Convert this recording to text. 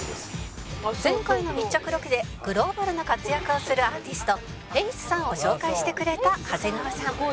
「前回の密着ロケでグローバルな活躍をするアーティストｆａｃｅさんを紹介してくれた長谷川さん」